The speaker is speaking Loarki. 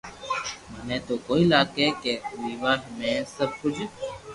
مني تو ڪوئي لاگي ڪو ويووا ۾ سب ڪجھ